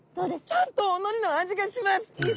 ちゃんとおのりの味がします！